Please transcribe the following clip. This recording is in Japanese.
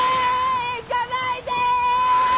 行かないで！